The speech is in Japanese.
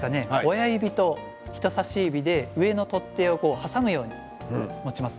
親指と人さし指で上の取っ手を挟むように持ちます。